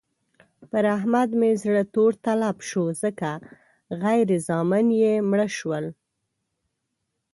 پر احمد مې زړه تور تلب شو ځکه غبر زامن يې مړه شول.